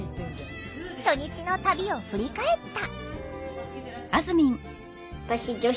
初日の旅を振り返った。